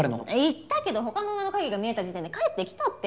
行ったけど他の女の影が見えた時点で帰ってきたって。